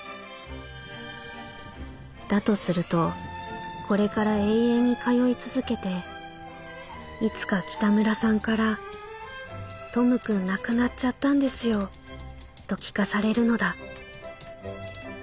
だとするとこれから永遠に通い続けていつか北村さんから『トムくん亡くなっちゃったんですよ』と聞かされるのだ」。